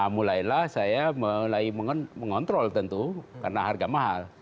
mulailah saya mulai mengontrol tentu karena harga mahal